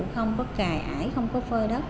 không có cài ải không có phơi đất